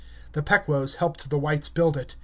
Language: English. The Pequots helped the whites build it.